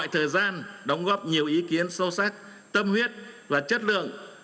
thời gian đóng góp nhiều ý kiến sâu sắc tâm huyết và chất lượng